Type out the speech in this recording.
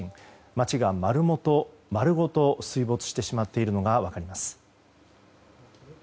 街が丸ごと水没してしまっているのが分かります。